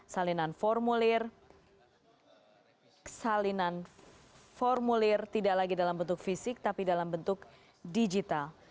salinan formulir salinan formulir tidak lagi dalam bentuk fisik tapi dalam bentuk digital